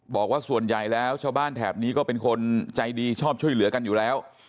บอกว่าส่วนใหญ่แล้วชาวบ้านแถบนี้ก็เป็นคนใจดีชอบช่วยเหลือกันอยู่แล้ว